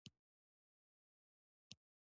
دا میوه د ویښتانو روغتیا ته هم ګټوره ده.